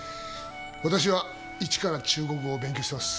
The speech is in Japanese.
私は一から中国語を勉強してます。